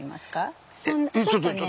ちょっとね。